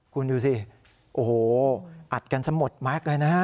คุณดูสิโอ้โหอัดกันสมดมากเลยนะ